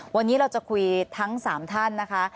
วันนี้เราจะคุยทั้ง๓ท่านนะคะ